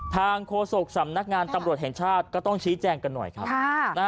โฆษกสำนักงานตำรวจแห่งชาติก็ต้องชี้แจงกันหน่อยครับ